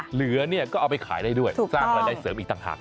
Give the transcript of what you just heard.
เหลือเนี่ยก็เอาไปขายได้ด้วยสร้างรายได้เสริมอีกต่างหาก